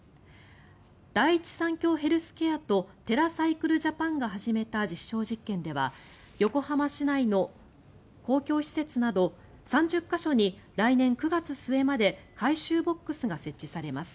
第一三共ヘルスケアとテラサイクルジャパンが始めた実証実験では横浜市内の公共施設など３０か所に来年９月末まで回収ボックスが設置されます。